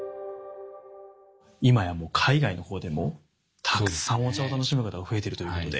今やもう海外の方でもたくさんお茶を楽しむ方が増えてるということで。